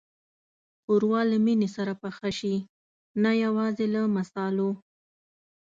ښوروا له مینې سره پخه شي، نه یوازې له مصالحو.